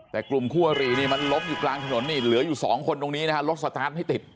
แต่กลุ่มคู่อารีนี่มันล้มอยู่กลางถนนนี่เหลืออยู่สองคนตรงนี้นะฮะรถสตาร์ทไม่ติด